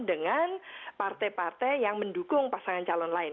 dengan partai partai yang mendukung pasangan calon lain